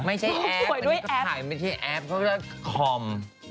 ไม่ใช่แอปอันนี้ก็ขายไม่ใช่แอปเขาก็คือคอม